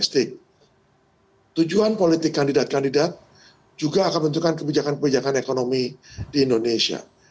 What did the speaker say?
tujuan politik kandidat kandidat juga akan menentukan kebijakan kebijakan ekonomi di indonesia